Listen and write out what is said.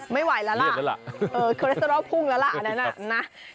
ไม่ไหวแล้วล่ะคอเลสเตอรอลพุ่งแล้วล่ะนะนะคุณทานคนเดียว